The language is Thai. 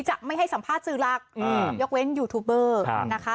จะไม่ให้สัมภาษณ์สื่อหลักยกเว้นยูทูบเบอร์นะคะ